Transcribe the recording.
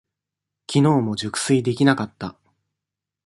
きのうも熟睡できなかった。